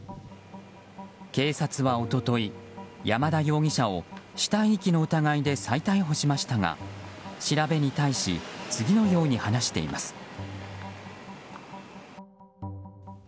警察は一昨日、山田容疑者を死体遺棄の疑いで再逮捕しましたが調べに対し次のように話しています。